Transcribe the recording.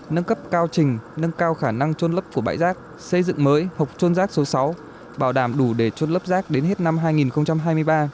nâng cấp cao trình nâng cao khả năng trôn lớp của bãi giác xây dựng mới hộp trôn giác số sáu bảo đảm đủ để trôn lớp giác đến hết năm hai nghìn hai mươi ba